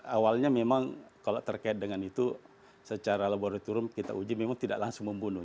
awalnya memang kalau terkait dengan itu secara laboratorium kita uji memang tidak langsung membunuh